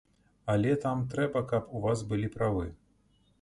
Але там трэба, каб у вас былі правы.